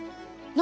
何？